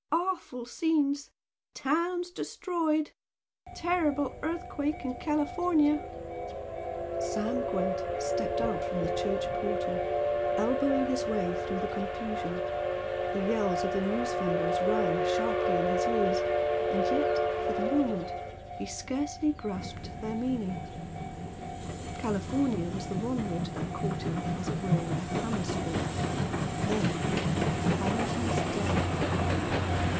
Awful scenes! Towns destroyed! Terrible Earthquake in California!" Sam Gwent stepped out from the church portal, elbowing his way through the confusion, the yells of the news vendors rang sharply in his ears and yet for the moment he scarcely grasped their meaning; "California" was the one word that caught him, as it were, with a hammer stroke, then "Thousands dead!"